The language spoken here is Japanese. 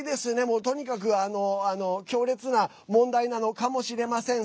もう、とにかく強烈な問題なのかもしれません。